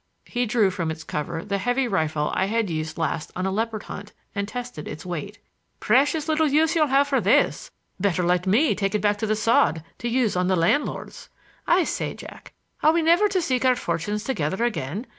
He drew from its cover the heavy rifle I had used last on a leopard hunt and tested its weight. "Precious little use you'll have for this! Better let me take it back to The Sod to use on the landlords. I say, Jack, are we never to seek our fortunes together again?